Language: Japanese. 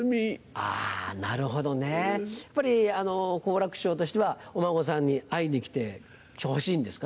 あなるほどね。やっぱり好楽師匠としてはお孫さんに会いに来てほしいんですかね？